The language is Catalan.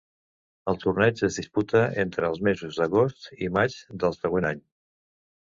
El torneig es disputa entre els mesos d'agost i maig del següent any.